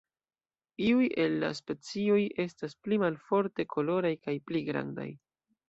Iuj el la specioj estas pli malforte koloraj kaj pli grandaj.